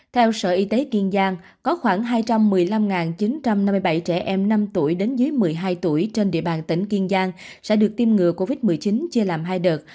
theo sở y tế kiên giang có khoảng hai trăm một mươi năm chín trăm năm mươi bảy trẻ em năm tuổi đến dưới một mươi hai tuổi trên địa bàn tỉnh kiên giang sẽ được tiêm ngừa covid một mươi chín chia làm hai đợt